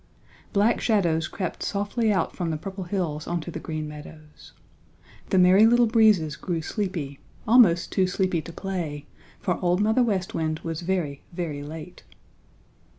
Black shadows crept softly out from the Purple Hills onto the Green Meadows. The Merry Little Breezes grew sleepy, almost too sleepy to play, for Old Mother West Wind was very, very late.